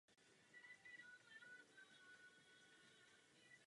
A ne jen ve středu dění.